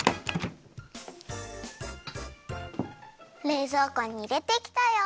れいぞうこにいれてきたよ。